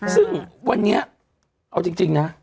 ซึ่งวันนี้เอาจริงนะ